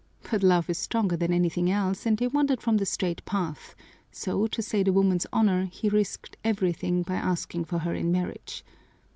But love is stronger than anything else and they wandered from the straight path, so, to save the woman's honor, he risked everything by asking for her in marriage.